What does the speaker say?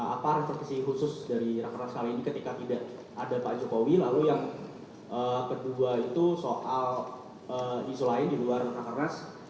apa repertisi khusus dari rakernas kali ini ketika tidak ada pak jokowi lalu yang kedua itu soal isu lain di luar rakernas